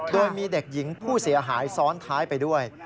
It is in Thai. โดยมีเด็กหญิงผู้เสียหายซ้อนท้ายไปด้วย